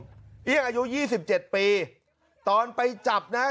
ครับคุณผู้ชมเอี๊ยกอายุยี่สิบเจ็ดปีตอนไปจับนะฮะ